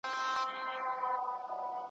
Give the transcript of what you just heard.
نه یوه ګوله مړۍ کړه چا وروړاندي .